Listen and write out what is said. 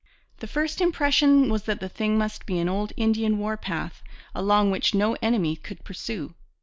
The first impression was that the thing must be an old Indian war path, along which no enemy could pursue.